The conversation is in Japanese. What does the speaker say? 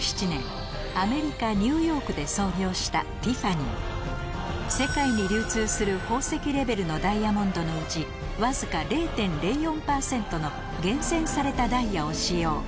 したティファニー世界に流通する宝石レベルのダイヤモンドのうちわずか０．０４％の厳選されたダイヤを使用